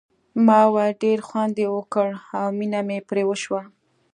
ما وویل ډېر ښه خوند یې وکړ او مینه مې پرې وشوه.